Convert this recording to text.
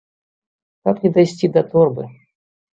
Каб не дайсці да торбы.